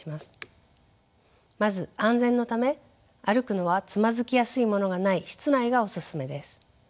まず安全のため歩くのはつまずきやすいものがない室内がおすすめです。